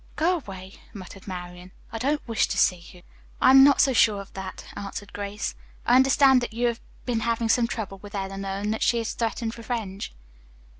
"Go away," muttered Marian. "I don't wish to see you." "I am not so sure of that," answered Grace. "I understand you have been having some trouble with Eleanor, and that she has threatened revenge."